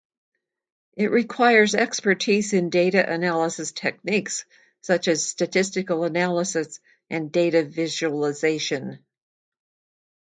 It requires expertise in data analysis techniques such as statistical analysis and data visualization.